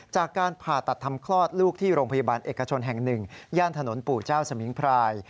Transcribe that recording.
จากการผ่าตัดทำคลอดลูกที่โรงพยาบาลเอกชนแห่งหนึ่งย่านถนนปู่เจ้าสมิงพราย